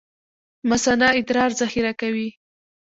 مثانه ادرار ذخیره کوي